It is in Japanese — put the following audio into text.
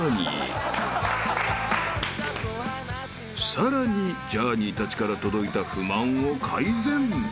［さらにジャーニーたちから届いた不満を改善］